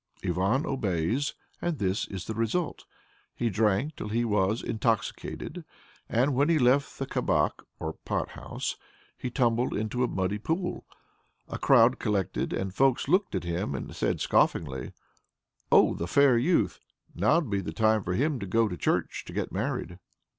Ivan obeys, and this is the result. He drank till he was intoxicated, and when he left the kabak (or pot house) he tumbled into a muddy pool. A crowd collected and folks looked at him and said scoffingly, "Oh, the fair youth! now'd be the time for him to go to church to get married!"